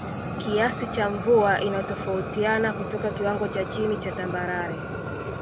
Kiasi cha mvua inatofautiana kutoka kiwango cha chini cha Tambarare